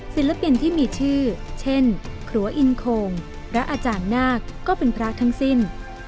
ศิลปินที่มีชื่อเช่นครัวอินโคงพระอาจารย์นาคก็เป็นพระทั้งสิ้น